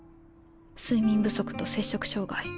睡眠不足と摂食障害。